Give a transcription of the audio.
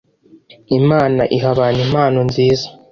Imana iha abantu impano nziza